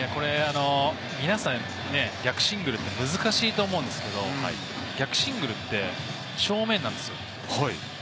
皆さん、逆シングルって難しいと思うんですけれど、逆シングルって正面なんですよ。